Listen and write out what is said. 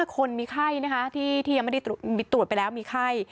คนมีไข้นะคะที่ยังไม่ได้ตรวจไปแล้วมีไข้